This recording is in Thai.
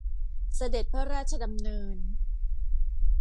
เสด็จพระราชดำเนิน